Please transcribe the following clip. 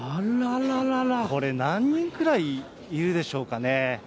これ、何人くらいいるんでしょうかね。